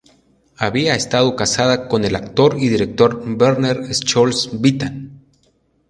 Había estado casada con el actor y director Werner Schulz-Wittan.